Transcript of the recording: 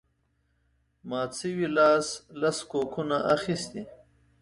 مات شوي لاس لس کوکونه اخیستي